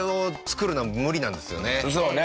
そうね。